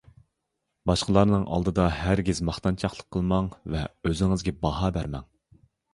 باشقىلارنىڭ ئالدىدا ھەرگىز ماختانچاقلىق قىلماڭ ۋە ئۆزىڭىزگە باھا بەرمەڭ.